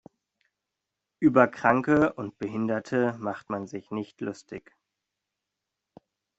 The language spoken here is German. Über Kranke und Behinderte macht man sich nicht lustig.